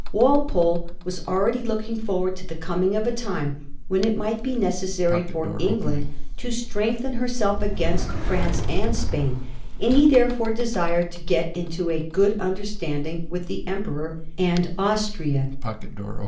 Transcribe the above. Walpole was already looking forward to the coming of a time when it might be necessary for England to strengthen herself against France and Spain, and he therefore desired to get into a good understanding with the Emperor and Austria.